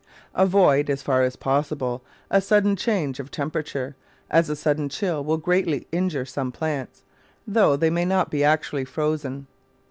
Avoid, as far as possible, a sudden change of tem perature, as a sudden chill will greatly injure some plants, though they may not be actually frozen.